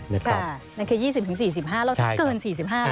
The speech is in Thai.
นั่นคือ๒๐๔๕แล้วถ้าเกิน๔๕นะ